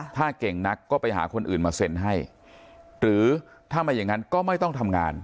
ถ้าเก่งนักก็ไปหาคนอื่นมาเซ็นให้หรือถ้าไม่อย่างนั้นก็ไม่ต้องทำงาน